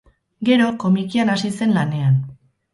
Gero, komikian hasi zen lanean.